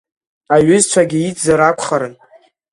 Аҩызцәагьы ицзар акәхарын.